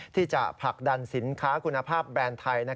ที่จะผลักดันสินค้าคุณภาพแบรนด์ไทย